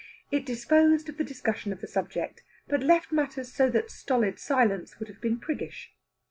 It disposed of the discussion of the subject, but left matters so that stolid silence would have been priggish.